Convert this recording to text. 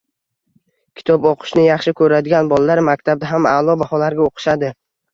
Kitob o‘qishni yaxshi ko‘radigan bolalar maktabda ham a’lo baholarga o‘qishadi.